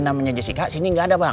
namanya jessica sini nggak ada bang